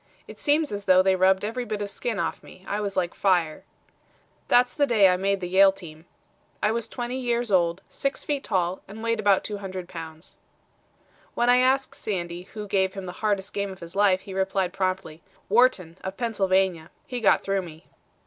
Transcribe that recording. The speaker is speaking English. It seems as though they rubbed every bit of skin off of me. I was like fire. "That's the day I made the Yale team. "I was twenty years old, six feet tall, and weighed about 200 pounds." When I asked Sandy who gave him the hardest game of his life, he replied promptly: "Wharton, of Pennsylvania. He got through me."